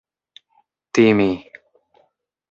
timi